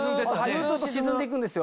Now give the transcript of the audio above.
ずっと沈んでいくんですよ